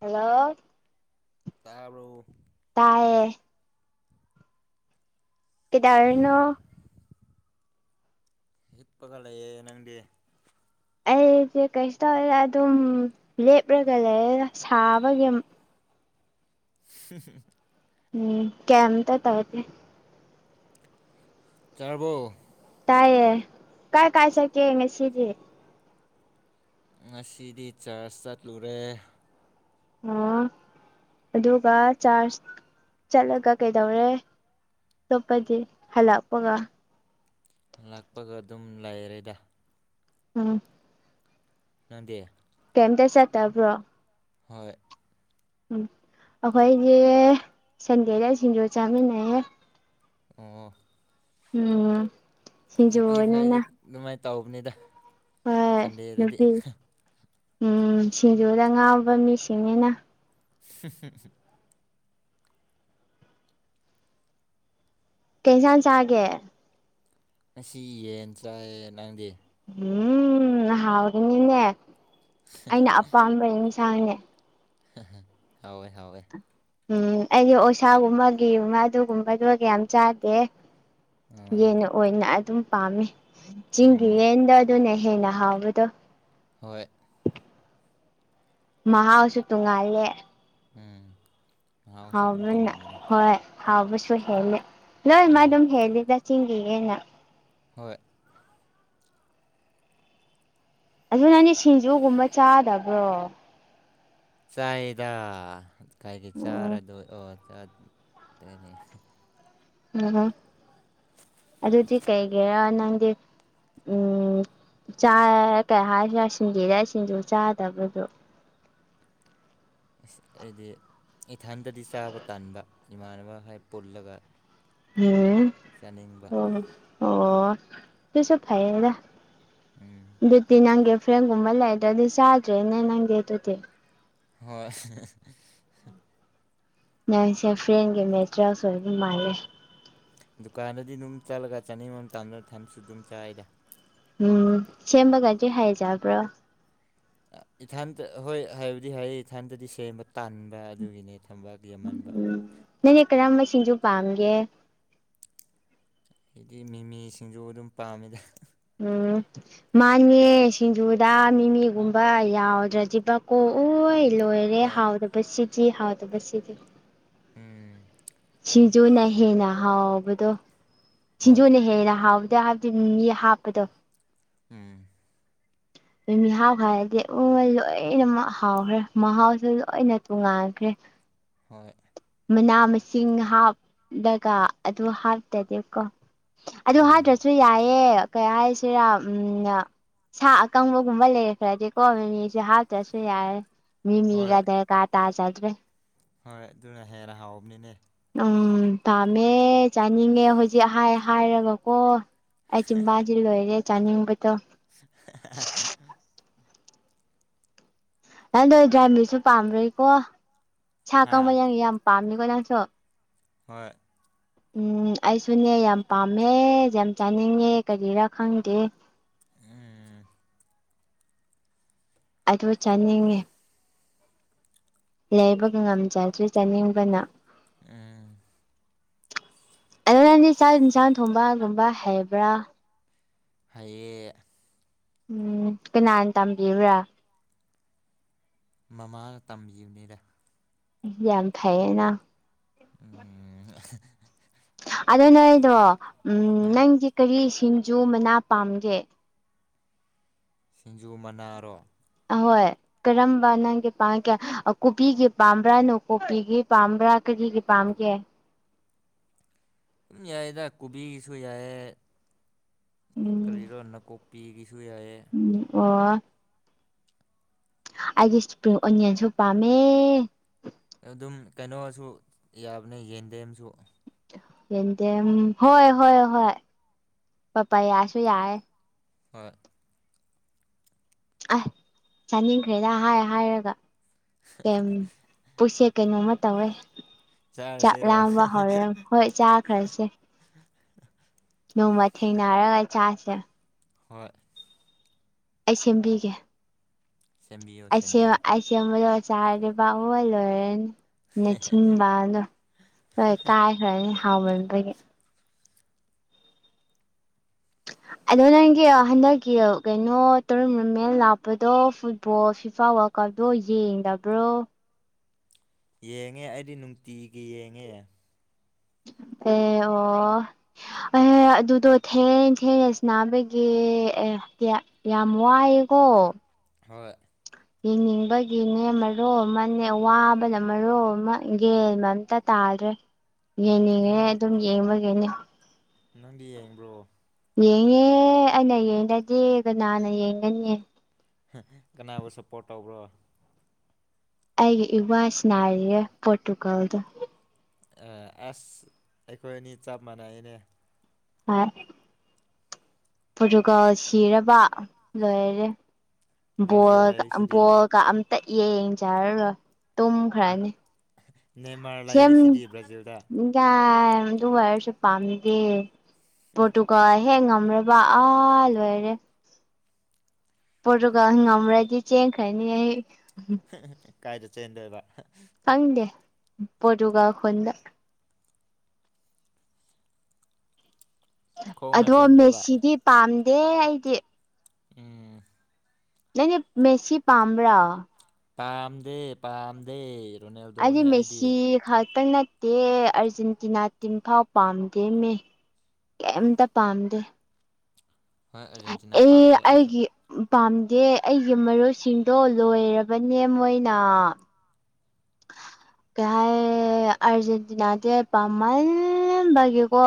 Hello ꯇꯥꯕꯔꯣ? ꯇꯥꯏꯌꯦ꯫ [inaudible] ꯀꯩꯗꯧꯔꯤꯅꯣ? ꯍꯤꯞꯄꯒꯂꯩꯌꯦ꯫ ꯅꯪꯗꯤ? ꯑꯩꯁꯦ ꯀꯩꯁꯨ ꯇꯧꯗꯦ ꯑꯗꯨꯝ ꯂꯦꯞꯂꯒ ꯂꯩꯔꯦꯗ ꯁꯥꯕꯒꯤ꯫ [unintelligible] ꯎꯝ ꯀꯦꯝ ꯇ ꯇꯧꯗꯦ꯫ ꯇꯥꯔꯕꯣ? ꯇꯥꯏꯌꯦ ꯀꯥꯏ ꯀꯥꯏ ꯆꯠꯀꯦ ꯉꯁꯤꯗꯤ? ꯉꯁꯤꯗꯤ ꯆꯔꯆ ꯆꯠꯂꯨꯔꯦ꯫ ꯑꯣ ꯑꯗꯨꯒ ꯆꯥꯔꯖ ꯆꯠꯂꯒ ꯀꯩꯗꯧꯔꯦ? ꯑꯇꯣꯞꯄꯗꯤ ꯍꯜꯂꯛꯄꯒ? ꯍꯥꯂꯛꯄꯒ ꯑꯗꯨꯝ ꯂꯥꯏꯔꯦꯗ꯫ ꯎꯝ ꯅꯪꯗꯤ? ꯀꯝꯇ ꯆꯠꯇꯕ꯭ꯔꯣ? ꯍꯣꯏ ꯎꯝ ꯑꯩꯈꯣꯏꯗꯤ ꯁꯟꯗꯦꯗ ꯁꯤꯡꯖꯨ ꯆꯥꯃꯤꯟꯅꯩꯌꯦ꯫ ꯑꯣ ꯎꯝ ꯅꯨꯄꯤ ꯁꯤꯡꯖꯨꯅꯤꯅ ꯈꯔꯗꯤ ꯑꯗꯨꯃꯥꯏꯅ ꯇꯧꯕꯅꯤꯗ꯫ ꯍꯣꯏ ꯁꯟꯗꯦꯗꯗꯤ ꯅꯨꯄꯤ ꯎꯝ ꯁꯤꯡꯖꯨꯗ ꯉꯥꯎꯕ ꯃꯤꯁꯤꯡꯅꯤꯅ꯫ [unintelligible] ꯀꯩ ꯏꯟꯁꯥꯡ ꯆꯥꯒꯦ? ꯉꯁꯤ ꯌꯦꯟ ꯆꯥꯏꯌꯦ꯫ ꯅꯪꯗꯦ? ꯎꯝ ꯍꯥꯎꯒꯅꯤꯅꯦ ꯑꯩꯅ ꯑꯄꯥꯝꯕ ꯌꯦꯟꯁꯥꯡꯅꯦ꯫ ꯍꯥꯎꯋꯦ ꯍꯥꯎꯋꯦ꯫ ꯎꯝ ꯑꯩꯗꯤ ꯑꯣꯛꯁꯥꯒꯨꯝꯕꯒꯤ ꯑꯗꯨꯒꯨꯝꯕꯗꯣ ꯌꯥꯝ ꯆꯥꯗꯦ꯫ ꯑꯥ ꯌꯦꯟꯅ ꯑꯣꯏꯅ ꯑꯗꯨꯝ ꯄꯥꯝꯃꯦ ꯆꯤꯡꯒꯤ ꯑꯣ ꯌꯦꯟꯗꯣ ꯑꯗꯨꯅ ꯍꯦꯟꯅ ꯍꯥꯎꯕꯗꯣ꯫ ꯍꯣꯏ ꯃꯍꯥꯎꯁꯨ ꯇꯣꯡꯉꯥꯜꯂꯦ꯫ ꯎꯝ ꯃꯍꯥꯎꯁꯨ ꯑꯗꯨꯝ ꯍꯥꯎꯕꯅ ꯇꯣꯉꯥꯟꯕꯅꯦ ꯍꯣꯏ꯫ ꯍꯥꯎꯕꯁꯨ ꯍꯦꯜꯂꯦ ꯂꯣꯏ ꯃꯥ ꯎꯝ ꯑꯗꯨꯝ ꯍꯦꯜꯂꯤꯗ ꯆꯤꯡꯒꯤ ꯌꯦꯟꯅ꯫ ꯍꯣꯏ ꯑꯗꯨ ꯅꯪꯗꯤ ꯁꯤꯡꯖꯨꯒꯨꯝꯕ ꯆꯥꯗꯕ꯭ꯔꯣ? ꯆꯥꯏꯌꯦꯗ ꯀꯒꯤ ꯎꯝ ꯆꯥꯔꯣꯏꯗꯣꯏꯅꯣꯅꯦ꯫ ꯑꯣ ꯑꯗꯨꯗꯤ ꯀꯩꯒꯤꯔꯥ ꯅꯪꯗꯤ ꯎꯝ ꯆꯥ ꯀꯩ ꯍꯥꯏꯁꯤꯔ ꯁꯤꯡꯗꯦꯗ ꯁꯤꯡꯗꯨ ꯆꯥꯗꯕꯗꯣ ꯑꯁ ꯑꯩꯗꯤ ꯏꯊꯟꯗꯗꯤ ꯆꯥꯕ ꯇꯥꯟꯕ ꯏꯃꯥꯟꯅꯕꯈ ꯄꯨꯜꯂꯒ ꯎꯝ ꯆꯥꯅꯤꯡꯕ ꯑꯣ ꯑꯣ ꯄꯤꯁꯨ ꯐꯥꯏꯑꯦꯗ ꯎꯝ ꯑꯗꯨꯗꯤ ꯅꯪꯒꯤ ꯐ꯭ꯔꯦꯟꯒꯨꯝꯕ ꯂꯩꯗ꯭ꯔꯗꯤ ꯆꯥꯗ꯭ꯔꯦꯅꯦ ꯅꯪꯗꯤ ꯑꯗꯨꯗꯤ ꯍꯣꯏ ꯅꯪꯁꯦ ꯐ꯭ꯔꯦꯟꯒꯤ ꯃꯦꯇꯔꯤꯌꯦꯜꯁꯨ ꯑꯣꯏꯕ ꯃꯥꯜꯂꯦ ꯗꯨꯀꯥꯟꯗꯗꯤ ꯑꯗꯨꯝ ꯆꯠꯂꯒ ꯆꯥꯅꯤꯡꯕ ꯃꯇꯝꯗ ꯊꯟꯁꯨ ꯑꯗꯨꯝ ꯆꯥꯏꯗ ꯎꯝ ꯁꯦꯝꯕꯒꯗꯤ ꯍꯥꯏꯖꯕ꯭ꯔꯣ ꯏꯊꯟꯇ ꯍꯣꯏ ꯍꯥꯏꯕꯗꯤ ꯍꯩ ꯏꯊꯟꯇꯗꯤ ꯁꯦꯝꯕ ꯇꯥꯟꯕ ꯑꯗꯨꯒꯤꯅꯦ ꯊꯝꯕ ꯗꯦꯃꯟꯕ ꯎꯝ ꯅꯪꯗꯤ ꯀꯔꯝꯕ ꯁꯤꯡꯖꯨ ꯄꯥꯝꯒꯦ ꯑꯩꯗꯤ ꯃꯤꯃꯤꯁꯤꯡꯖꯨ ꯑꯗꯨꯝ ꯄꯥꯝꯃꯤꯗ ꯃꯥꯟꯅꯦ ꯁꯤꯡꯖꯨꯗ ꯃꯤꯃꯤꯒꯨꯝꯕ ꯌꯥꯎꯗ꯭ꯔꯗꯤꯕ ꯀꯣꯛꯎ ꯂꯣꯏ ꯑꯔꯦ ꯍꯣꯏ ꯍꯥꯎꯗ ꯕꯁꯤꯁꯤꯖꯤ ꯍꯥꯎꯗꯕꯁꯤꯁꯤꯖꯤ ꯎꯝ ꯁꯤꯡꯖꯨꯅ ꯍꯦꯟꯅ ꯍꯥꯎꯕꯗꯣ ꯍꯣꯏ ꯁꯤꯡꯖꯨꯅ ꯍꯦꯟꯅ ꯍꯥꯎꯕꯗ ꯃꯤꯃꯤ ꯍꯥꯞꯄꯗꯣ ꯎꯝ [unintelligible] ꯃꯤꯃꯤ ꯍꯥꯞꯈꯔꯗꯤ ꯎꯃ ꯂꯣꯏꯅ ꯍꯥꯎꯈ꯭ꯔꯦ ꯃꯍꯥꯎꯁꯨ ꯂꯣꯏꯅ ꯇꯣꯉꯥꯟꯈ꯭ꯔꯦ ꯍꯣꯏ ꯃꯅꯥ ꯃꯁꯤꯡ ꯍꯥꯞꯂꯒ ꯑꯗꯨ ꯍꯥꯞꯇꯗꯤꯕꯀꯣ ꯑꯗꯨ ꯎꯝ ꯍꯥꯏꯠꯇ꯭ꯔꯁꯨ ꯌꯥꯏꯑꯦ ꯀꯩ ꯍꯥꯏꯁꯤꯔꯥ ꯎꯝ ꯁꯥ ꯑꯀꯪꯕꯒꯨꯝꯕ ꯂꯩꯔꯈ꯭ꯔꯗꯤꯀꯣ ꯃꯤꯁꯦ ꯍꯥꯞꯇ꯭ꯔꯁꯨ ꯌꯥꯔꯦ ꯍꯣꯏ ꯃꯤꯃꯤꯒꯗꯔ ꯀꯥ ꯇꯥꯖꯗꯔꯦ ꯍꯣꯏ ꯑꯗꯨꯅ ꯍꯦꯟꯅ ꯍꯥꯎꯕꯅꯤꯅꯦ ꯎꯝ ꯄꯥꯝꯃꯦ ꯆꯥꯅꯤꯡꯉꯦ ꯍꯧꯖꯤꯛ ꯍꯥꯏꯔꯒꯀꯣ ꯑꯩ ꯆꯤꯝꯕꯟꯁꯤ ꯂꯣꯏꯔꯦ ꯆꯥꯅꯤꯡꯕꯗꯣ [unintelligible] ꯅꯪꯗꯣ ꯗ꯭ꯔꯥꯏ ꯃꯤꯠꯁꯨ ꯄꯥꯝꯕꯣꯏꯀꯣ ꯏꯁ ꯁꯥꯥ ꯍꯥ ꯀꯪꯕ ꯌꯥꯪꯉ ꯌꯥꯝ ꯄꯥꯝꯅꯤꯀꯣ ꯅꯪꯁꯨ ꯍꯣꯏ ꯎꯝ ꯑꯩꯁꯨꯅꯦ ꯌꯥꯝ ꯄꯥꯝꯃꯦ ꯌꯥꯝ ꯆꯥꯅꯤꯡꯉꯦ ꯀꯔꯤꯔꯥ ꯈꯪꯗꯦ ꯎꯝ ꯑꯗꯨ ꯆꯥꯅꯤꯡꯉꯤ ꯂꯩꯕꯒ ꯉꯝꯖꯗ꯭ꯔꯦ ꯆꯥꯅꯤꯡꯕꯅ ꯎꯝ ꯑꯗꯨ ꯅꯪꯗꯤ ꯆꯥꯛ ꯌꯦꯟꯁꯥꯡ ꯊꯣꯡꯕꯒꯨꯝꯕ ꯍꯩꯕ꯭ꯔꯥ ꯍꯥꯏꯌꯦ ꯎꯝ ꯀꯅꯥꯅ ꯇꯝꯕꯤꯕ꯭ꯔꯥ ꯃꯃꯥꯅ ꯇꯝꯕꯤꯕꯅꯤꯗ ꯌꯥꯝ ꯐꯩꯌꯦꯅ ꯎꯝ ꯑ ꯅꯣꯏꯗꯣ ꯎꯝ ꯍꯣꯏ ꯅꯪꯗꯤ ꯀꯔꯤ ꯁꯤꯡꯖꯨ ꯃꯅꯥ ꯄꯥꯝꯒꯦ ꯁꯤꯡꯖꯨ ꯃꯅꯥꯔꯣ ꯑꯍꯣꯏ ꯀꯔꯝꯕ ꯅꯪꯒꯤ ꯄꯥꯝꯒꯦ ꯀꯣꯕꯤꯒꯤ ꯄꯥꯝꯕ꯭ꯔꯥ ꯅꯥꯀꯨꯞꯄꯤꯒꯤ ꯄꯥꯝꯕ꯭ꯔꯥ ꯀꯔꯤꯒꯤ ꯄꯥꯝꯒꯦ ꯑꯗꯨꯨꯝ ꯌꯥꯏꯗ ꯀꯣꯕꯤꯒꯤꯁꯨ ꯌꯥꯏ ꯎꯝ ꯀꯔꯤꯔꯣ ꯅꯀꯨꯞ ꯅꯥꯀꯨꯞꯄꯤꯒꯤꯁꯨ ꯌꯥꯏꯌꯦ ꯎꯝ ꯑꯣ ꯑꯩꯒꯤ ꯏꯁꯄ꯭ꯔꯤꯡ ꯑꯣꯅꯤꯌꯟꯁꯨ ꯄꯥꯝꯃꯦ ꯑꯗꯨꯝ ꯀꯩꯅꯣꯁꯨ ꯌꯥꯕꯅꯦ ꯌꯦꯟꯗꯦꯝꯁꯨ ꯌꯦꯡꯗꯦꯝ ꯍꯣꯏ ꯍꯣꯏ ꯍꯣꯏ ꯄꯥꯄꯥꯌꯥꯁꯨ ꯌꯥꯏꯑꯦ ꯍꯣꯏ ꯑꯏ ꯆꯥꯅꯤꯡꯈ꯭ꯔꯦꯗ ꯍꯥꯏ ꯍꯥꯏꯔꯒ ꯀꯦꯝ ꯄꯨꯛꯁꯦ ꯀꯩꯅꯣꯝꯃ ꯇꯧꯋꯦ ꯆꯥꯛ ꯆꯥꯔꯁꯤꯔꯣ ꯂꯥꯝꯕ ꯍꯧꯔꯦ ꯍꯣꯏ ꯆꯥꯈ꯭ꯔꯁꯦ [unintelligible] ꯅꯣꯡꯃ ꯊꯦꯡꯅꯔꯒ ꯆꯥꯁꯦ ꯍꯣꯏ ꯑꯩ ꯁꯦꯝꯕꯤꯒꯦ ꯁꯦꯝꯕꯤꯌꯣ ꯑꯩ ꯁꯦꯝꯃꯥ ꯁꯦꯝꯕꯤꯌꯣ ꯑꯩ ꯁꯦꯝꯕꯥ ꯂꯣꯏꯔꯥꯒꯥ ꯆꯔꯗꯤ ꯄꯨꯝꯂꯣꯏ ꯂꯣꯏꯔꯅꯤ ꯅꯆꯤꯟꯕꯟꯗꯣ ꯂꯣꯏ ꯀꯥꯏꯈ꯭ꯔꯅꯤ ꯍꯥꯎꯃꯟꯕꯒꯤ ꯑꯗꯣ ꯅꯪꯒꯤ ꯍꯟꯗꯛꯀꯤ ꯀꯩꯅꯣ ꯇꯔꯝ ꯃꯤ ꯃꯦꯜ ꯂꯥꯛꯄꯗꯣ ꯐꯨꯠꯕꯣꯜ ꯐꯤ ꯐ ꯋꯔ ꯀꯞꯇꯣ ꯌꯦꯡꯗꯕ꯭ꯔꯣ ꯌꯦꯡꯉꯦ ꯑꯩꯗꯤ ꯅꯨꯡꯇꯤꯒꯤ ꯌꯦꯡꯉꯦ ꯑꯦ ꯑꯣ ꯑꯌꯥꯌꯥ ꯑꯗꯨꯗꯣ ꯊꯦꯡꯉꯥ ꯊꯦꯡꯉꯥ ꯁꯅꯥꯕꯒꯤ ꯑꯦ ꯌꯥꯝ ꯋꯥꯏꯑꯦꯀꯣ ꯍꯣꯏ ꯌꯦꯡꯅꯤꯡꯕꯒꯤꯅꯦ ꯃꯔꯣꯜ ꯑꯃꯅꯦ ꯋꯥꯕꯅ ꯃꯔꯣꯜ ꯑꯃ ꯒꯌ꯭ꯥꯟ ꯃꯦꯝ ꯑꯃꯇ ꯇꯥꯗ꯭ꯔꯦ ꯍꯣꯏ ꯌꯦꯡꯅꯤꯡꯉꯦ ꯅꯪ ꯑꯗꯨꯝ ꯌꯦꯡꯕꯒꯤꯅꯦ ꯅꯪꯗꯤ ꯌꯦꯡꯕ꯭ꯔꯣ ꯌꯦꯡꯉꯦ ꯑꯩꯅ ꯌꯦꯡꯗꯔ꯭ꯗꯤ ꯀꯅꯥꯅ ꯌꯦꯡꯒꯅꯤꯌꯦ ꯍꯦ ꯀꯅꯥꯕꯨ ꯁꯞꯄꯣꯔꯠ ꯇꯧꯕ꯭ꯔꯣ ꯑꯩꯒꯤ ꯏꯋꯥ ꯅꯥꯔꯤꯌꯦ ꯄꯣꯔꯇꯨꯒꯜꯗꯣ ꯑꯁ ꯑꯩꯈꯣꯏ ꯑꯅꯤ ꯆꯞ ꯃꯥꯟꯅꯩꯅꯦ ꯍꯣꯏ ꯄꯣꯔꯇꯨꯒꯥꯜ ꯁꯤꯔꯕ ꯂꯣꯏꯔꯦ ꯕ꯭ꯔꯥꯖꯤꯜ ꯕꯣꯜꯒꯥ ꯂꯩꯔꯤꯁꯤꯗꯤ ꯕꯣꯜꯒꯥ ꯑꯝꯇꯥ ꯑꯝꯇꯥ ꯌꯦꯡꯖꯥꯔꯔꯣꯏ ꯇꯨꯝꯈ꯭ꯔꯅꯤ ꯅꯦꯃꯥꯔ ꯂꯥꯏꯔꯤꯁꯤꯗꯤ ꯕ꯭ꯔꯥꯖꯤꯜꯗ ꯌꯥꯔꯦ ꯑꯗꯨ ꯑꯣꯏꯔꯁꯨ ꯄꯥꯝꯗꯦ ꯄꯣꯠꯇꯨꯒꯜ ꯍꯦꯛ ꯉꯝꯔꯕꯥ ꯑꯥ ꯂꯣꯏꯔꯦ ꯐꯣꯠꯇꯣꯒꯜ ꯉꯝꯔꯗꯤ ꯆꯦꯟꯈꯔꯅꯤ ꯑꯩ ꯀꯥꯏꯗ ꯆꯦꯟꯗꯣꯏꯕ ꯈꯪꯗꯦ ꯄꯣꯔꯇꯨꯒꯜ ꯈꯨꯟꯗꯥ ꯈꯣꯡꯅ ꯑꯗꯣ ꯆꯦꯟꯗꯣꯏꯕ ꯃꯦꯁꯤꯗꯤ ꯄꯥꯝꯗꯦ ꯑꯩꯗꯤ ꯎꯝ ꯅꯪꯗꯤ ꯃꯦꯁꯤ ꯄꯝꯕꯔ ꯄꯥꯝꯗꯦ ꯄꯥꯝꯗꯦ ꯑꯩꯗꯤ ꯃꯦꯁꯤ ꯈꯥꯛꯇꯪ ꯅꯠꯇꯦ ꯑꯥꯔꯖꯦꯟꯇꯤꯅꯥ ꯇꯤꯝ ꯐꯥꯎ ꯄꯥꯝꯗꯦꯃꯦ ꯀꯩꯝꯇ ꯄꯥꯝꯗꯦ ꯍꯣꯏ ꯑꯥꯔꯖꯦꯟꯇꯤꯅꯥ ꯑꯦ ꯄꯥꯝꯗꯦ ꯑꯩꯁꯨ ꯑꯩꯒꯤ ꯄꯥꯝꯗꯦ ꯑꯩꯒꯤ ꯃꯔꯣꯏꯁꯤꯡꯗꯣ ꯂꯣꯏꯔꯕꯅꯦ ꯃꯣꯏꯅ ꯀꯩ ꯍꯥꯏ ꯑꯔꯖꯦꯟꯇꯤꯅꯥꯁꯦ ꯄꯥꯝꯃꯜꯕꯒꯤꯀꯣ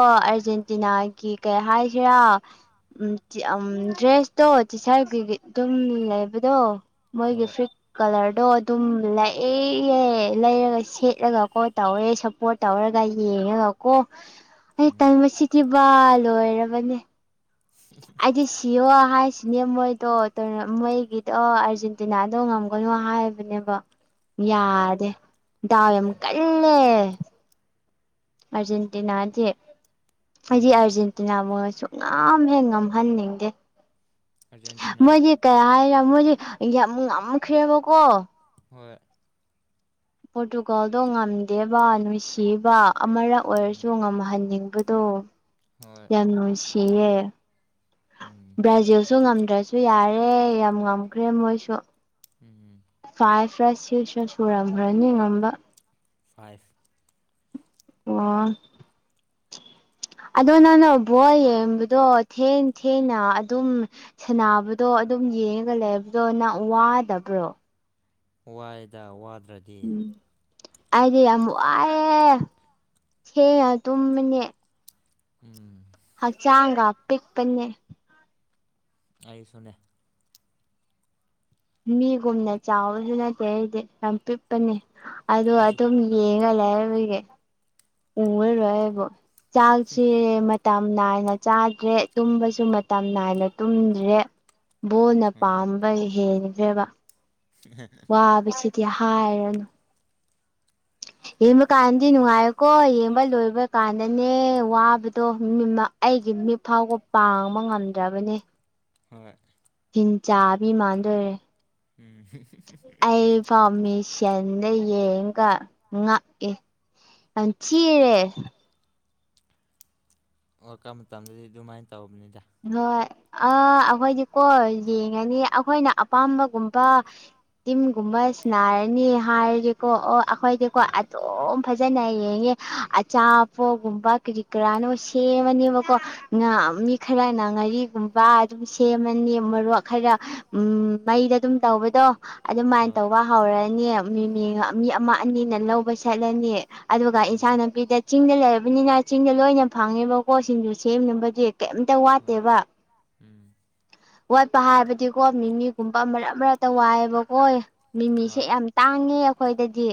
ꯍꯣꯏ ꯑꯥꯔꯖꯦꯟꯇꯤꯅꯥꯒꯤ ꯀꯩ ꯍꯥꯏꯁꯤꯔꯥ ꯎꯝ ꯗ꯭ꯔꯦꯁꯇꯣ ꯇꯤ ꯁꯥꯔꯠꯀꯤ ꯑꯗꯨꯝ ꯂꯩꯕꯗꯣ ꯃꯣꯏꯒꯤ ꯍꯣꯏ ꯐꯨꯔꯤꯠ ꯀꯂꯔꯗꯣ ꯑꯗꯨꯝ ꯂꯥꯛꯑꯦ [unintelligible] ꯂꯩꯔꯒ ꯁꯦꯠꯂꯒꯀꯣ ꯇꯧꯔꯦ ꯁꯞꯄꯣꯔꯠ ꯇꯧꯔꯒ ꯌꯦꯡꯉꯒ ꯀꯣ ꯑꯩ ꯎꯝ ꯇꯟꯕꯁꯤ ꯗꯤꯚ ꯂꯣꯏꯔꯕꯅꯦ [inaudible] ꯑꯩꯗꯤ ꯁꯤꯌꯣ ꯍꯥꯏꯁꯤꯅꯦ ꯃꯣꯏꯗꯣ ꯃꯣꯏꯒꯤꯗꯣ ꯑꯥꯔꯖꯦꯟꯇꯤꯅꯥꯗꯣ ꯉꯝ ꯀꯩꯅꯣ ꯍꯥꯏꯕꯅꯦꯕ ꯑ ꯌꯥꯗꯦ ꯗꯥꯎ ꯌꯥꯝ ꯀꯜꯂꯦ ꯑꯥꯔꯖꯦꯟꯇꯤꯅꯥꯗꯤ ꯑꯩꯗꯤ ꯎꯝ ꯑꯥꯔꯖꯦꯟꯇꯤꯅꯥ [unintelligible] ꯉꯝ ꯍꯦꯛ ꯉꯝꯍꯟꯅꯤꯡꯗꯦ ꯑꯥꯔꯖꯦꯟꯇꯤꯅꯥ ꯃꯣꯏꯗꯤ ꯀꯩ ꯍꯥꯏꯅꯤ ꯃꯣꯏꯗꯤ ꯌꯥꯝ ꯉꯝꯈ꯭ꯔꯦꯕꯀꯣ ꯍꯣꯏ ꯄ꯭ꯔꯣꯔꯇꯨꯒꯜꯗꯣ ꯉꯝ ꯗꯦꯕ ꯅꯨꯡꯁꯤꯕ ꯑꯃꯔꯛ ꯑꯣꯏꯔꯁꯨ ꯎꯝ ꯉꯝꯍꯟꯅꯤꯡꯕꯗꯣ ꯍꯣꯏ ꯌꯥꯝ ꯅꯨꯡꯁꯤꯌꯦ ꯎꯝ ꯕ꯭ꯔꯥꯖꯤꯜꯁꯨ ꯉꯝꯗ꯭ꯔꯁꯨ ꯌꯥꯔꯦ ꯌꯥꯝ ꯉꯝꯈ꯭ꯔꯦ ꯃꯣꯏꯁꯨ ꯎꯝ ꯎꯝ ꯐꯥꯏꯐꯔ ꯁꯤꯛꯁꯔ ꯁꯨꯔꯝꯈ꯭ꯔꯅꯤ ꯉꯝꯕ ꯐꯥꯏꯚ ꯑꯣ ꯑꯗꯣ ꯅꯪꯅ ꯕꯣꯜ ꯌꯦꯡꯕꯗꯣ ꯊꯦꯡ ꯊꯦꯡꯅ ꯑꯗꯨꯝ ꯁꯥꯅꯕꯗꯣ ꯑꯗꯨꯝ ꯌꯦꯡꯉꯒ ꯂꯩꯕꯗꯣ ꯅꯪ ꯋꯥꯗꯕ꯭ꯔꯣ ꯋꯥꯏꯗ ꯋꯥꯗ꯭ꯔꯗꯤ ꯎꯝ ꯑꯩꯗꯤ ꯌꯥꯝ ꯋꯥꯏꯑꯦ ꯊꯦꯡꯉ ꯇꯨꯝꯃꯅꯦ ꯎꯝ ꯍꯛꯆꯥꯡꯒ ꯄꯤꯛꯄꯅꯦ ꯑꯩꯁꯨꯅꯦ ꯃꯤꯒꯨꯝꯅ ꯆꯥꯎꯕꯁꯨ ꯅꯠꯇꯦ ꯑꯩꯗꯤ ꯌꯥꯝ ꯄꯤꯛꯄꯅꯦ ꯑꯗꯣ ꯑꯩꯁꯨ ꯑꯗꯨꯝ ꯌꯦꯡꯉꯒ ꯂꯩꯕꯒꯤ ꯎꯉꯔꯣꯏ ꯑꯩꯕꯨ ꯆꯥꯛꯁꯦ ꯃꯇꯝ ꯅꯥꯏꯅ ꯆꯥꯗ꯭ꯔꯦ ꯇꯨꯝꯕꯁꯨ ꯃꯇꯝ ꯅꯥꯏꯅ ꯇꯨꯝꯗ꯭ꯔꯦ ꯕꯣꯟꯅ ꯎꯝ ꯄꯥꯝꯕ ꯍꯦꯟꯈ꯭ꯔꯦꯕ [unintelligible] ꯋꯥꯕꯁꯤꯗꯤ ꯍꯥꯏꯔꯨꯔꯅꯨ ꯌꯦꯡꯕ ꯀꯥꯟꯗꯤ ꯅꯨꯡꯉꯥꯏꯀꯣ ꯌꯦꯡꯕ ꯂꯣꯏꯕ ꯀꯥꯟꯗꯅꯦ ꯋꯥꯕꯗꯣ ꯃꯤ ꯃꯛ ꯑꯩꯒꯤ ꯃꯤꯠ ꯐꯥꯎꯕ ꯄꯥꯡꯕ ꯉꯝꯗ꯭ꯔꯕꯅꯦ ꯍꯣꯏ ꯍꯤꯡ ꯆꯥꯕꯤ ꯃꯥꯟꯗꯣꯏꯔꯦ ꯎꯝ [unintelligible] ꯑꯩ ꯐꯥꯎ ꯃꯤꯡꯁꯦꯟꯗ ꯌꯦꯡꯉꯒ ꯉꯛꯑꯦ [unintelligible] ꯋꯥꯔꯜ ꯀꯞ ꯃꯇꯝꯗꯗꯤ ꯑꯗꯨꯃꯥꯏꯅ ꯇꯧꯕꯅꯤꯗ ꯍꯣꯏ ꯑꯥ ꯑꯩꯈꯣꯏꯗꯤꯀꯣ ꯌꯦꯡꯉꯅꯤ ꯑꯩꯈꯣꯏꯅ ꯑꯄꯥꯝꯕꯒꯨꯝꯕ ꯇꯤꯝꯒꯨꯝꯕ ꯁꯥꯅꯔꯅꯤ ꯍꯥꯏꯔꯒꯦꯀꯣ ꯑꯣ ꯑꯩꯈꯣꯏꯗꯤꯀꯣ ꯍꯣꯏ ꯑꯗꯨꯝ ꯐꯖꯅ ꯌꯦꯡꯉꯦ ꯑꯆꯥꯄꯣꯠꯒꯨꯝꯕ ꯀꯔꯤ ꯀꯔꯥꯅꯣ ꯁꯦꯝꯃꯅꯦꯕꯀꯣ ꯉꯥ ꯃꯤ ꯈꯔꯅ ꯉꯥꯔꯤꯒꯨꯝꯕ ꯑꯗꯨꯝ ꯁꯦꯝꯃꯅꯤ ꯃꯣꯔꯣꯛ ꯈꯔ ꯃꯩꯗ ꯑꯗꯨꯝ ꯇꯧꯕꯗꯣ ꯑꯗꯨꯃꯥꯏꯅ ꯍꯣꯏ ꯇꯧꯕ ꯍꯧꯔꯅꯤ ꯃꯤ ꯃꯤ ꯑꯃ ꯑꯅꯤꯅ ꯂꯧꯕ ꯆꯠꯂꯅꯤ ꯑꯗꯨꯒ ꯎꯝ ꯏꯟꯁꯥꯡ ꯅꯥꯄꯤꯗ ꯆꯤꯡꯗ ꯂꯩꯔꯕꯅꯤꯅ ꯆꯤꯡꯗ ꯂꯣꯏꯅ ꯐꯪꯉꯤꯕ ꯀꯣꯠꯁꯤꯡꯗꯨ ꯁꯦꯝꯅꯕꯗꯤꯦ ꯀꯩꯝꯇ ꯍꯣꯏ ꯋꯥꯠꯇꯦꯕ ꯎꯝ ꯋꯥꯠꯄ ꯍꯥꯏꯕꯗꯤꯀꯣ ꯃꯤ ꯃꯤꯒꯨꯝꯕ ꯃꯔꯛ ꯃꯔꯛꯇ ꯋꯥꯏꯑꯦꯕꯀꯣ ꯃꯤꯃꯤꯁꯦ ꯍꯣꯏ ꯌꯥꯝ ꯇꯥꯡꯉꯦ ꯑꯩꯈꯣꯏꯗꯗꯤ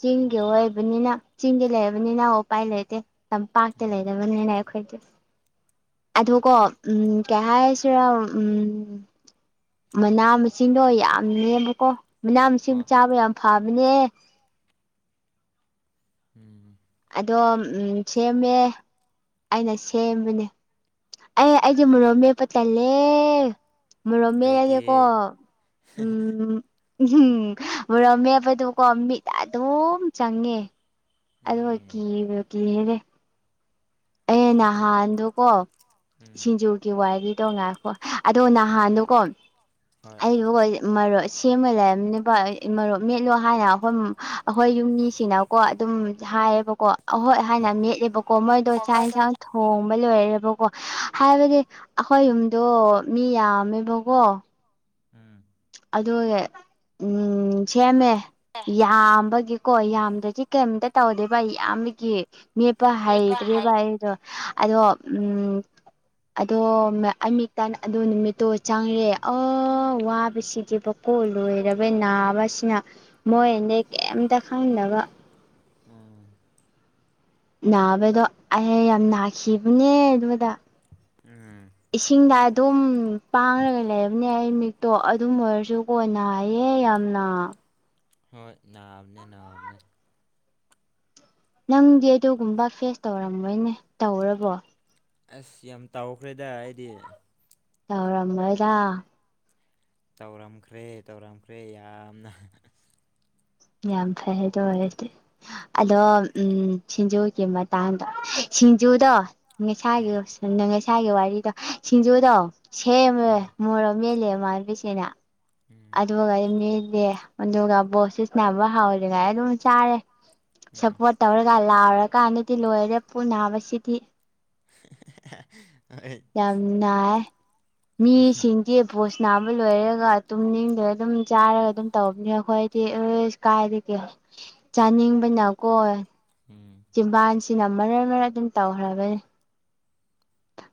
ꯆꯤꯡꯒꯤ ꯎꯝ ꯑꯣꯏꯕꯅꯤꯅ ꯆꯤꯡꯒꯤ ꯂꯩ ꯍꯥꯏꯔꯕꯅꯤꯅ ꯑꯣꯄꯥꯏ ꯂꯩꯇꯦ ꯇꯝꯄꯥꯛꯇ ꯎꯝ ꯂꯩꯕꯅꯤꯅꯦ ꯑꯩꯈꯣꯏꯗꯤ ꯑꯗꯨꯀꯣ ꯎꯝ ꯀꯩ ꯍꯥꯏ ꯔ ꯎꯝ ꯃꯅꯥ ꯃꯁꯤꯡꯗꯣ ꯌꯥꯝ ꯅꯦꯝꯕꯀꯣ ꯃꯅꯥ ꯃꯁꯤꯡꯕꯨ ꯍꯣꯏ ꯆꯥꯕ ꯌꯥꯝ ꯐꯕꯅꯦ ꯎꯝ ꯑꯗꯣ ꯁꯦꯝꯃꯦ ꯑꯩꯅ ꯁꯦꯝꯕꯅꯦ ꯑꯩ ꯑꯩꯁꯦ ꯃꯣꯔꯣꯛ ꯃꯦꯠꯄ ꯇꯜꯂꯦ ꯃꯣꯔꯣꯛ ꯃꯦꯠꯂꯗꯤꯀꯣ ꯀꯩꯒꯤ ꯎꯝ ꯎꯝ ꯃꯣꯔꯛ ꯃꯦꯠꯄꯗꯨꯀꯣ ꯃꯤꯠ ꯑꯗꯨꯝ ꯆꯪꯉꯦ ꯑꯗꯨꯒ ꯎꯝ ꯀꯤꯒꯀꯤꯔꯦ ꯑꯦ ꯅꯍꯥꯟꯗꯨ ꯀꯣ ꯎꯝ ꯁꯤꯡꯖꯨꯒꯤ ꯋꯥꯔꯤꯗꯣ ꯉꯥꯏꯈꯣ ꯑꯗꯣ ꯅꯍꯥꯟꯗꯣꯀꯣ ꯍꯣꯏ ꯑꯩꯕꯨ ꯃꯔꯨꯞ ꯁꯦꯝꯕ ꯂꯩꯔꯝꯅꯦꯕ ꯃꯔꯨꯞ ꯃꯦꯠꯂꯣ ꯍꯥꯏꯅ ꯑꯩꯈꯣꯏ ꯑꯩꯈꯣꯏ ꯌꯨꯝꯃꯤꯁꯤꯡꯅꯀꯣ ꯑꯗꯨꯝ ꯍꯥꯏꯌꯦꯕꯀꯣ ꯑꯩꯍꯣꯏ ꯍꯥꯏꯅ ꯍꯣꯏ ꯃꯦꯠꯂꯦꯕꯀꯣ ꯃꯣꯏꯗꯣ ꯆꯥꯛ ꯍꯤꯡꯁꯥꯡ ꯊꯣꯡꯕ ꯂꯣꯏꯔꯦꯕꯀꯣ ꯍꯥꯏꯕꯗꯤ ꯑꯩꯈꯣꯏ ꯌꯨꯝꯗꯣ ꯃꯤ ꯌꯥꯝꯃꯦꯕꯀꯣ ꯎꯝ ꯑꯗꯨ ꯎꯝ ꯁꯦꯝꯃꯦ ꯑꯦ ꯌꯥꯝꯕꯒꯤꯀꯣ ꯌꯥꯝꯗ꯭ꯔꯗꯤ ꯀꯩꯝꯇ ꯇꯧꯗꯦꯕ ꯌꯥꯝꯕꯒꯤ ꯃꯦꯠꯄ ꯅꯦꯄꯥ ꯍꯥꯏ ꯍꯩꯇ꯭ꯔꯦꯕ ꯑꯩꯗꯣ ꯑꯗꯣ ꯎꯝ ꯑꯗꯣ ꯑꯃꯤꯛꯇ ꯑꯗꯨ ꯅꯨꯃꯤꯠꯇꯣ ꯆꯪꯔꯦ ꯑꯣ ꯋꯥ ꯁꯤꯗꯤ ꯕꯀꯣ ꯂꯣꯏꯔꯕ ꯂꯣꯏ ꯅꯥꯕꯁꯤꯅ ꯃꯣꯏꯅꯗꯤ ꯀꯩꯝꯇ ꯈꯪꯗꯅꯕ ꯎꯝ ꯅꯥꯕꯗꯣ ꯑꯩ ꯌꯥꯝ ꯅꯥꯈꯤꯕꯅꯦ ꯑꯗꯨꯗ ꯎꯝ ꯏꯁꯤꯡꯗ ꯑꯗꯨꯝ ꯄꯥꯡꯂꯒ ꯂꯩꯕꯅꯦ ꯑꯩ ꯃꯤꯠꯇꯣ ꯑꯗꯨꯝ ꯑꯣꯏꯔꯁꯨ ꯑꯣ ꯅꯌꯦ ꯌꯥꯝꯅ ꯍꯣꯏ ꯅꯥꯕꯅꯦ ꯅꯥꯕꯅꯦ ꯅꯪꯗꯤ ꯑꯗꯨꯒꯨꯝꯕ ꯐꯦꯁ ꯇꯧꯔꯝꯃꯣꯏꯅꯦ ꯇꯧꯔꯕꯣ ꯑꯁ ꯌꯥꯝ ꯇꯥꯎꯈ꯭ꯔꯦꯗ ꯑꯩꯗꯤ ꯇꯧꯔꯝꯃꯣꯏꯗ ꯇꯧꯔꯝꯈ꯭ꯔꯦ ꯇꯧꯔꯝꯈ꯭ꯔꯦ ꯌꯥꯝꯅ ꯌꯥꯝ ꯐꯩ ꯍꯥꯏꯗꯣ ꯑꯣꯏꯗꯤ ꯑꯗꯣ ꯎꯝ ꯁꯤꯡꯖꯨꯒꯤ ꯃꯇꯥꯡꯗ ꯁꯤꯡꯖꯨꯗꯣ ꯉ ꯏꯁꯥꯒꯤ ꯍꯣꯏ [unintelligible] ꯏꯁꯥꯒꯤ ꯋꯥꯔꯤꯗꯣ ꯁꯤꯡꯖꯨꯗꯣ ꯁꯦꯝꯂꯦ ꯎꯝ ꯃꯣꯔꯣꯠ ꯃꯦꯠꯂꯦ ꯏꯃꯥꯥꯟꯕꯤꯁꯤꯡꯅ ꯎꯝ ꯑꯗꯨꯒꯩ ꯃꯦꯠꯂꯦ ꯑꯗꯨꯒ ꯕꯣꯜ ꯁꯤ ꯁꯥꯅꯕ ꯍꯥꯎꯗ꯭ꯔꯤꯉꯩ ꯑꯗꯨꯝ ꯆꯥꯔꯦ ꯎꯝ ꯁꯞꯄꯣꯔꯠ ꯇꯧꯔꯒ ꯂꯥꯎꯔꯀꯥꯟꯗꯗꯤ ꯂꯣꯏꯔꯦ ꯄꯨꯛꯕꯁꯤꯗꯤ ꯍꯣꯏ ꯌꯥꯝ ꯅꯥꯏ ꯃꯤꯁꯤꯡꯗꯤ ꯕꯣꯜ ꯁꯥꯅꯕ ꯂꯣꯏꯔꯒ ꯇꯨꯝꯅꯤꯡꯗꯦ ꯑꯗꯨꯝ ꯆꯥꯔꯒ ꯑꯗꯨꯝ ꯇꯧꯕꯅꯦ ꯑꯩꯈꯣꯏꯗꯤ ꯑꯁ ꯀꯥꯏꯗꯒꯦ ꯆꯥꯅꯤꯡꯕꯅꯀꯣ ꯎꯝ ꯖꯤꯟꯕꯥꯟꯁꯤꯅ ꯃꯔ ꯃꯔ ꯑꯗꯨꯝ ꯇꯧꯈ꯭ꯔꯕꯅꯤ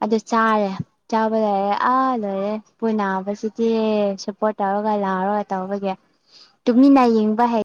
ꯑꯗꯨ ꯆꯥꯔꯦ ꯆꯥꯕ ꯂꯣꯏꯔꯦ ꯑꯥ ꯂꯣꯏꯔꯦ ꯄꯨꯛ ꯅꯥꯕꯁꯤꯗꯤ ꯁꯞꯄꯣꯔꯠ ꯇꯧꯔꯒ ꯂꯥꯎꯔꯒ ꯇꯧꯕꯒꯤ ꯇꯨꯃꯤꯟꯅ ꯌꯦꯡꯕ ꯍꯩ